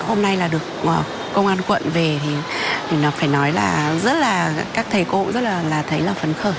hôm nay là được công an quận về thì nó phải nói là các thầy cô cũng rất là thấy là phấn khởi